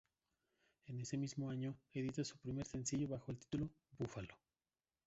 En ese mismo año edita su primer sencillo bajo el título "Búfalo".